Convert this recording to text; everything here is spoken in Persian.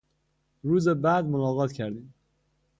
روز بعد ملاقات کردیم.